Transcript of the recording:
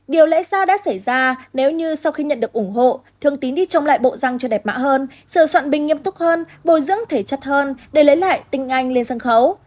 điều lẽ ra đã xảy ra nếu như sau khi nhận được ủng hộ thường tín đi trông lại bộ răng cho đẹp mạ hơn sự soạn bình nghiêm túc hơn bồi dưỡng thể chất hơn để lấy lại tình anh lên sân khấu